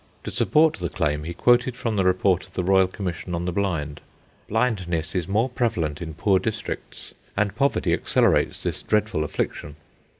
To support the claim, he quoted from the report of the Royal Commission on the Blind, "Blindness is more prevalent in poor districts, and poverty accelerates this dreadful affliction."